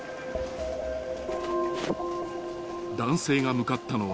［男性が向かったのは］